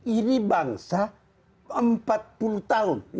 ini bangsa empat puluh tahun